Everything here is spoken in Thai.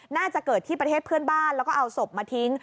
น่าจะเกิดที่ประเทศเพื่อนบ้านแล้วก็เอาศพมาทิ้ง